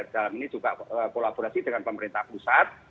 dalam ini juga kolaborasi dengan pemerintah pusat